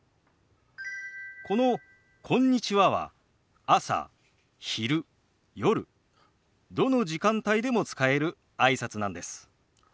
この「こんにちは」は朝昼夜どの時間帯でも使えるあいさつなんです。